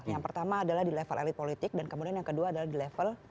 yang pertama adalah di level elit politik dan kemudian yang kedua adalah di level